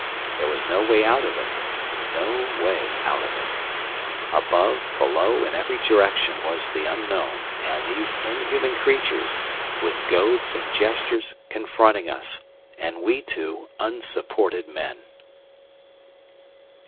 There was no way out of it—no way out of it. Above, below, in every direction, was the unknown, and these inhuman creatures, with goads and gestures, confronting us, and we two unsupported men!